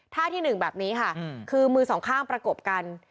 ท่าที่๑แบบนี้ค่ะคือมือสองข้างประกบกัน